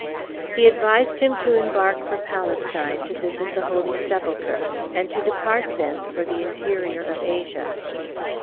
He advised him to embark for Palestine, to visit the Holy Sepulchre, and to depart thence for the interior of Asia.